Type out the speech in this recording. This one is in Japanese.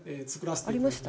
ありました？